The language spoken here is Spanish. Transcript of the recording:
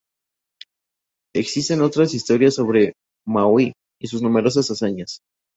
Existen otras historias sobre Maui y sus numerosas hazañas.